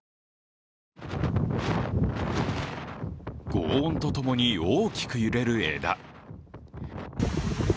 ごう音と共に大きく揺れる枝。